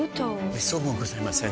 めっそうもございません。